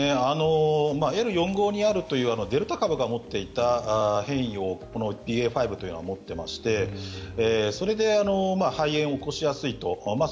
Ｌ４５２Ｒというデルタ株が持っていた変異をこのＢＡ．５というのは持っていましてそれで肺炎を起こしやすいと。